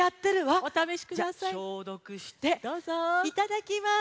いただきます。